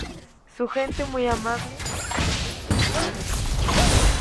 Su gente, muy amable, risueña, alegre.